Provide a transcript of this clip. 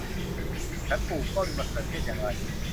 ฉันปลูกต้นมะเขือเทศอย่างไร